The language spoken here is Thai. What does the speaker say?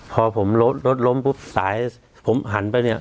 พอผมรถรถล้มปุ๊บสายผมหันไปเนี่ย